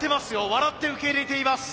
笑って受け入れています。